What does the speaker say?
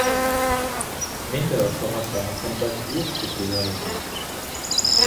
Мин дә ошоғаса мөхәббәт юҡ тип уйлай инем.